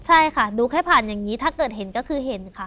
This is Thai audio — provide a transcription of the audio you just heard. ใช่ค่ะดูแค่ผ่านอย่างนี้ถ้าเกิดเห็นก็คือเห็นค่ะ